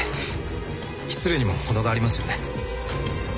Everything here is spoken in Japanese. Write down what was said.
失礼にも程がありますよね。